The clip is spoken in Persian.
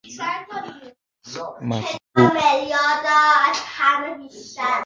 مدفوع